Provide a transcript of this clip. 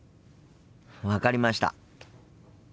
分かりました。